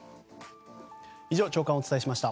以上朝刊をお伝えしました。